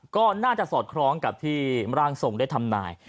ก็น่าจะสอดคล้องกับที่ร่างทรงได้ทำนาย